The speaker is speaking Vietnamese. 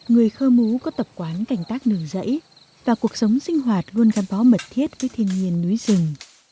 người khơ mú có tập quán cảnh tác nường dãy và cuộc sống sinh hoạt luôn gắn bó mật thiết với thiên nhiên núi rừng